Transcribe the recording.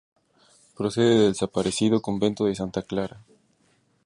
Procede del desaparecido Convento de Santa Clara.